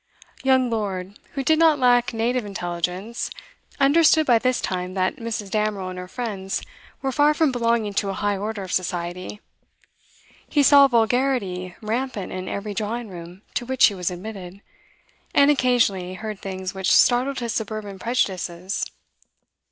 Young Lord, who did not lack native intelligence, understood by this time that Mrs. Damerel and her friends were far from belonging to a high order of society; he saw vulgarity rampant in every drawing room to which he was admitted, and occasionally heard things which startled his suburban prejudices.